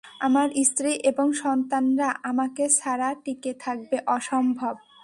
আমার স্ত্রী এবং সন্তানরা আমাকে ছাড়া টিকে থাকবে, - অসম্ভব।